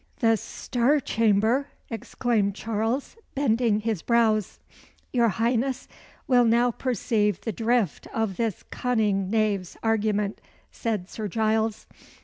"The Star Chamber!" exclaimed Charles, bending his brows. "Your Highness will now perceive the drift of this cunning knave's argument," said Sir Giles.